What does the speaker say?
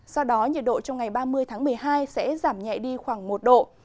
sau đó nhiệt độ trong ngày ba mươi tháng một mươi hai sẽ giảm nhẹ đi khoảng một độ